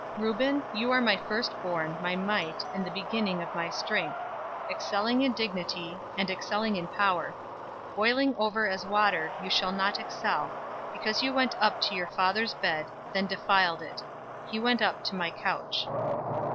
049:003 "Reuben, you are my firstborn, my might, and the beginning of my strength; excelling in dignity, and excelling in power. 049:004 Boiling over as water, you shall not excel; because you went up to your father's bed, then defiled it. He went up to my couch.